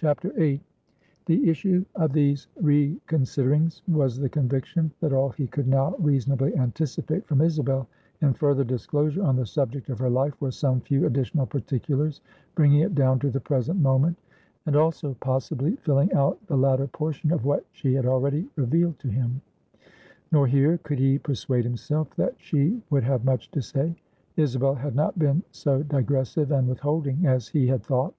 VIII. The issue of these reconsiderings was the conviction, that all he could now reasonably anticipate from Isabel, in further disclosure on the subject of her life, were some few additional particulars bringing it down to the present moment; and, also, possibly filling out the latter portion of what she had already revealed to him. Nor here, could he persuade himself, that she would have much to say. Isabel had not been so digressive and withholding as he had thought.